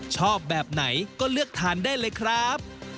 ชอบแบบไหนก็เลือกทานได้เลยครับ